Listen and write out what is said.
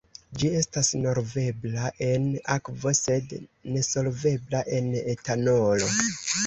Ĝi estas solvebla en akvo, sed nesolvebla en etanolo.